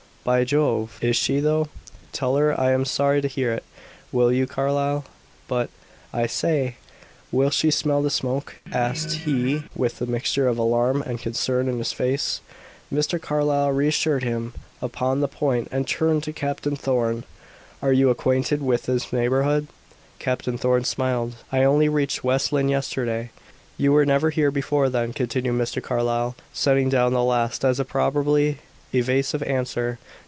"By Jove! Is she, though? Tell her I am sorry to hear it, will you, Carlyle? But I say! Will she smell the smoke?" asked he, with a mixture of alarm and concern in his face. Mr. Carlyle reassured him upon the point, and turned to Captain Thorn. "Are you acquainted with this neighborhood?" Captain Thorn smiled. "I only reached West Lynne yesterday." "You were never here before then?" continued Mr. Carlyle, setting down the last as a probably evasive answer.